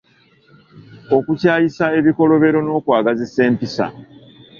Okukyayisa ebikolobero n’okwagazisa empisa